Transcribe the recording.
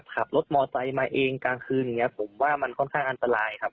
ขับรถมอไซค์มาเองกลางคืนอย่างนี้ผมว่ามันค่อนข้างอันตรายครับ